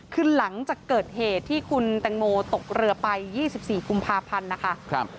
ขึ้นหลังจากเกิดเหตุที่คุณแตงโมตกเรือไป๒๔กพนะคะ